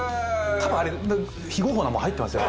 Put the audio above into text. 多分あれ非合法なもの入ってますよ。